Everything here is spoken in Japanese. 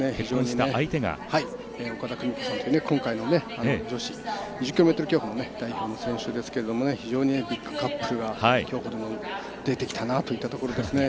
相手は岡田久美子さんという今回の女子２０ｋｍ競歩の代表の選手ですけれども非常にビッグカップルが競歩でも出てきたなというところですね。